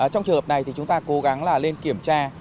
trong trường hợp này thì chúng ta cố gắng là lên kiểm tra